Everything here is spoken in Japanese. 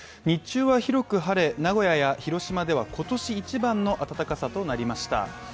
日中は広く晴れ、名古屋や広島では今年一番の暖かさとなりました。